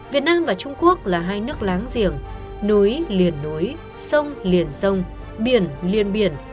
việt nam và trung quốc là hai nước láng giềng núi liền núi sông liền sông biển liền biển